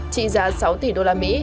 trị giá sáu tỷ usd